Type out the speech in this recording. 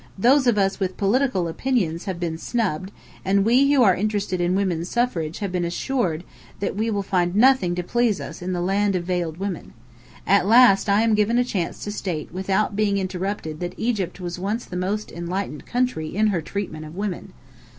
Those of us with political opinions have been snubbed; and we who are interested in Woman Suffrage have been assured that we'll find nothing to please us in the land of Veiled Women. At last I am given a chance to state without being interrupted that Egypt was once the most enlightened country in her treatment of women.